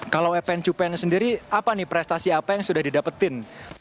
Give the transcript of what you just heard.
kalau epen cupen sendiri apa nih prestasi apa yang sudah didapetin